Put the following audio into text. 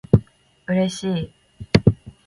嬉しい